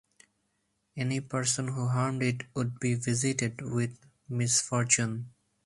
Any person who harmed it would be visited with misfortune.